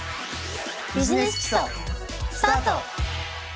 「ビジネス基礎」スタート！